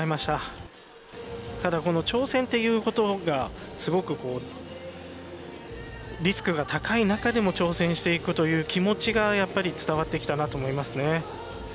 ただこの挑戦ということがすごくリスクが高い中でも挑戦していくという気持ちがやっぱり伝わってきたなと思いますね。